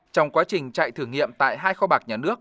trong quá trình chạy thử nghiệm tại hai kho bạc nhà nước